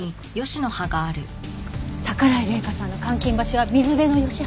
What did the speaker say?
宝居麗華さんの監禁場所は水辺のヨシ原！